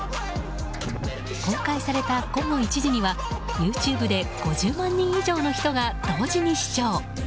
公開された午後１時にはＹｏｕＴｕｂｅで５０万人以上の人が同時に視聴。